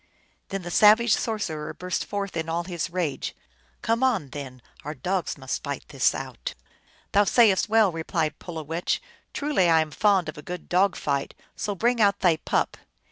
Then the savage sorcerer burst forth in all his rage i " Come on, then, our dogs must fight this out !"" Thou sayest well," replied Pulowech ;" truly I am fond of a good dog fight, so bring out thy pup